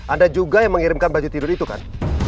ada juga yang mengirimkan baju tidur itu kan